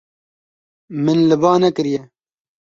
Min li ba nekiriye.